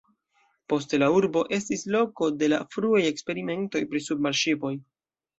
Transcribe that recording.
Poste la urbo estis loko de la fruaj eksperimentoj pri submarŝipoj.